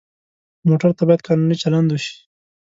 موټر ته باید قانوني چلند وشي.